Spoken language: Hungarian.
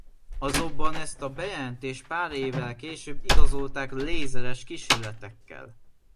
Azonban ezt a bejelentést pár évvel később igazolták lézeres kísérletekkel.